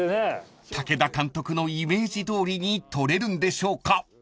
［武田監督のイメージどおりに撮れるんでしょうか？］